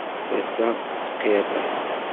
Tasa tettqiṛṛi.